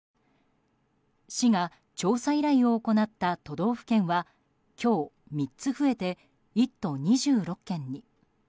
市が調査依頼を行った都道府県は今日、３つ増えて１都２６県に。